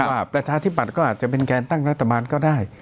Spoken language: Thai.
ประชาธิบัตย์ก็อาจจะเป็นแกนตั้งรัฐบาลก็ได้